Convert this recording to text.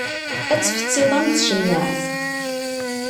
Ad tfettiḍ am tcemmaεt.